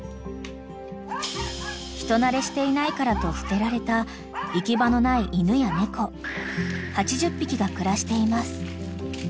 ［人なれしていないからと捨てられた行き場のない犬や猫８０匹が暮らしています］